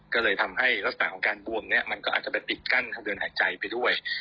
ก็เลยทำให้ลักษณะของการบวมเนี่ยมันก็อาจจะไปปิดกั้นทางเดินหายใจไปด้วย